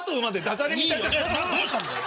どうしたんだよ！？